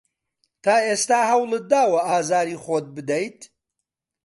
تا ئێستا هەوڵت داوە ئازاری خۆت بدەیت؟